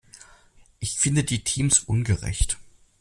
Ich finde die Teams ungerecht.